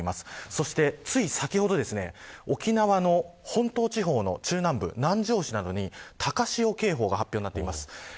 そしてつい先ほど沖縄の本島地方の中南部、南城市などに高潮警報が発表になっています。